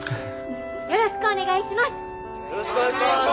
「よろしくお願いします！」。